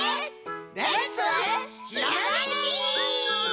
レッツひらめき！